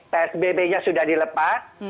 psbb nya sudah dilepas